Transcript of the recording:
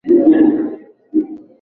Yeye anaiba kila siku huku kwetu